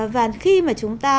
và khi mà chúng ta